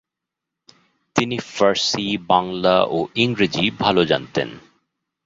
তিনি ফার্সি, বাংলা ও ইংরেজি ভালো জানতেন।